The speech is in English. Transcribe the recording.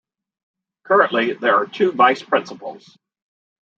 Currently, there are two Vice Principals.